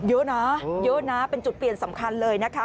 เยอะนะเยอะนะเป็นจุดเปลี่ยนสำคัญเลยนะคะ